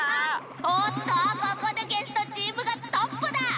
おっとここでゲストチームがトップだ！